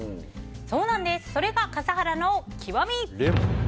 それが笠原の極み！